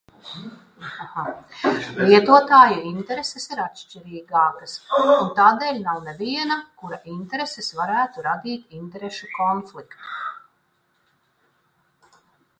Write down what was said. Lietotāju intereses ir atšķirīgākas, un tādēļ nav neviena, kura intereses varētu radīt interešu konfliktu.